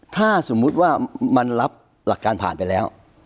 ถ้าสมมุติว่ามันรับหลักการผ่านไปแล้ว